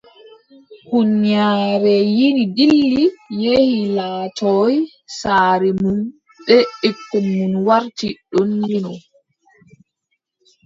Huunyaare yini dilli yehi laartoy saare mum bee ɓikkon mum warti ɗon yino.